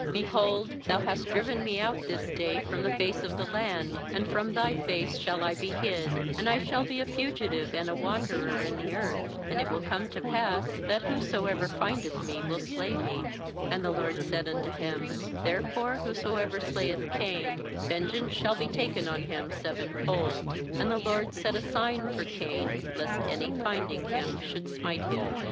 l4Behold, Thou hast driven me out this day from the face of the land; and from Thy face shall I be hid; and I shall be a fugitive and a wanderer in the earth; and it will come to pass, that whosoever findeth me will slay me.' 15And the LORD said unto him: • Heb. Havvah, that is, Life. 6 b Heb. kanah, to get. GENESIS 5.19 'Therefore whosoever slayeth Cain, vengeance shall be taken on Mm sevenfold.' And the LORD set a sign for Cain, lest any finding him, should smite him.